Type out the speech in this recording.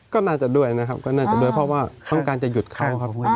ก็น่าจะด้วยนะครับก็น่าจะด้วยเพราะว่าต้องการจะหยุดเขาครับ